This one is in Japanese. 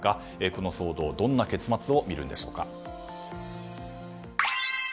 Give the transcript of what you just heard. この騒動はどんな結末を見るんでしょうか。